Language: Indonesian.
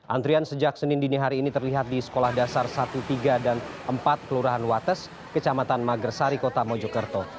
antrian sejak senin dini hari ini terlihat di sekolah dasar satu tiga dan empat kelurahan wates kecamatan magersari kota mojokerto